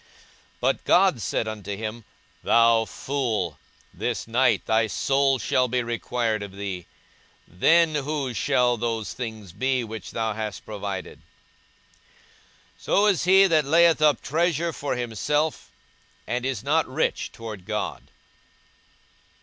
42:012:020 But God said unto him, Thou fool, this night thy soul shall be required of thee: then whose shall those things be, which thou hast provided? 42:012:021 So is he that layeth up treasure for himself, and is not rich toward God.